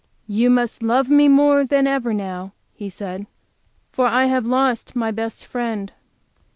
"You must love me more than ever, now," he said, "for I have lost my best friend."